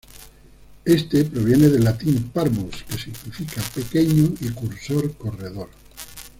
Este proviene del latín "Parvus" que significa pequeño y "cursor" corredor.